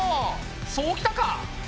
そうきたか！